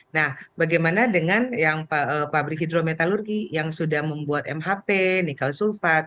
nah bagaimana dengan yang pabrik hidrometalurgi yang sudah membuat mhp nikel sulfat